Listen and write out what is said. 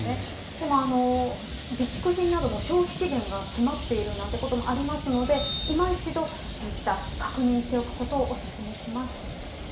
でも、備蓄品なども消費期限が迫っていることもありますので今一度、そういった確認をしておくことをおすすめします。